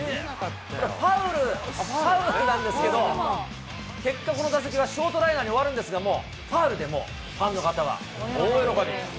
ファウル、ファウルなんですけど、結果、この打席はショートライナーに終わるんですが、ファウルでもファンの方は大喜び。